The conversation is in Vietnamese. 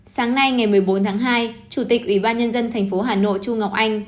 sáng nay ngày một mươi bốn tháng hai chủ tịch ủy ban nhân dân tp hà nội chu ngọc anh